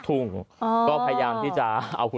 แถมมีสรุปอีกต่างหาก